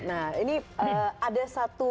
nah ini ada satu